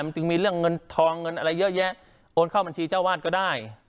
จึงมีเรื่องเงินทองเงินอะไรเยอะแยะโอนเข้าบัญชีเจ้าวาดก็ได้